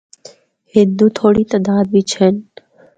ہندو تھوڑی تعداد بچ ہن۔